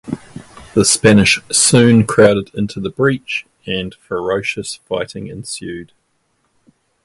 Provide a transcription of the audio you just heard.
The Spanish soon crowded into the breach and ferocious fighting ensued.